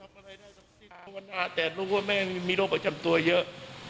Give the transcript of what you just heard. พราวนาแต่รู้ว่าแม่มีโรคประจำตัวเยอะ